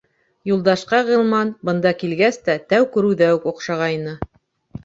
Юлдашҡа Ғилман, бында килгәс тә, тәү күреүҙә үк оҡшағайны.